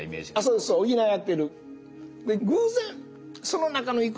そうそう補い合ってる。